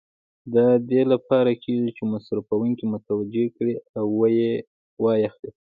دا د دې لپاره کېږي چې مصرفوونکي متوجه کړي او و یې اخلي.